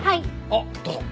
あっどうぞ。